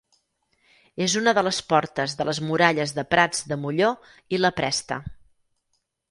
És una de les portes de les Muralles de Prats de Molló i la Presta.